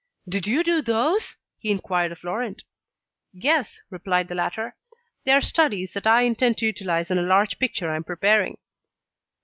"Did you do those?" he inquired of Laurent. "Yes," replied the latter. "They are studies that I intend to utilise in a large picture I am preparing."